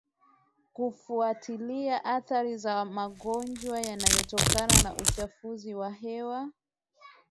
kufuatilia athari za magonjwa yanayotokana na uchafuzi wa hewa